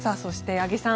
八木さん